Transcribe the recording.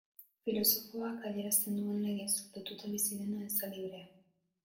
Filosofoak adierazten duen legez, lotuta bizi dena ez da librea.